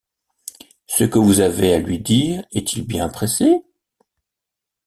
Ce que vous avez à lui dire est-il bien pressé ?